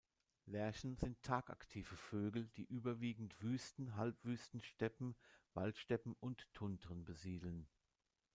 Lerchen sind tagaktive Vögel, die überwiegend Wüsten, Halbwüsten, Steppen, Waldsteppen und Tundren besiedeln.